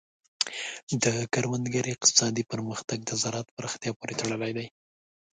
د کروندګر اقتصادي پرمختګ د زراعت پراختیا پورې تړلی دی.